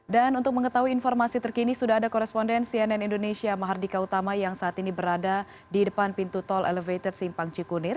dan untuk mengetahui informasi terkini sudah ada koresponden cnn indonesia mahardika utama yang saat ini berada di depan pintu tol elevated simpang cikunir